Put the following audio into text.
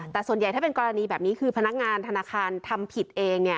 แต่ส่วนใหญ่ถ้าเป็นกรณีแบบนี้คือพนักงานธนาคารทำผิดเอง